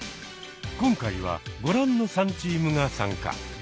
今回はご覧の３チームが参加。